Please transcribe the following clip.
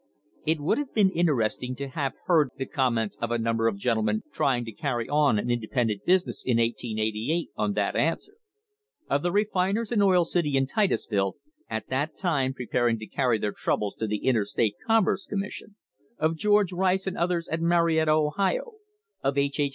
It would have been interesting to have heard the com ments of a number of gentlemen trying to carry on an inde pendent business in 1888 on that answer: of the refiners in Oil City and Titusville, at that time preparing to carry their troubles to the Interstate Commerce Commission; of George Rice and others at Marietta, Ohio; of H. H.